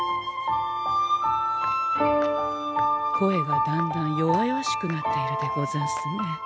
声がだんだん弱々しくなっているでござんすね。